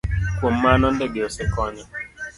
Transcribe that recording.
Kuom mano, ndege osekonyo